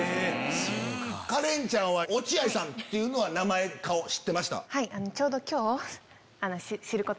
カレンちゃんは落合さんっていう名前顔知ってました？